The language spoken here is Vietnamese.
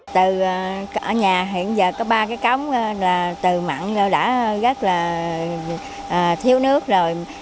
từ ở nhà hiện giờ có ba cái cống là từ mặn rồi đã rất là thiếu nước rồi